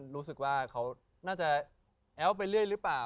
รู้สึกว่าเขาน่าจะแอ้วไปเรื่อยหรือเปล่า